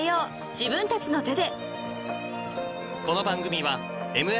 自分たちの手で］